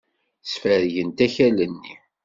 Sfergent akal-nni.